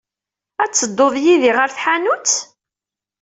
Ad teddud yid-i ɣer tḥanut?